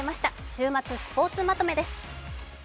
週末スポーツまとめです。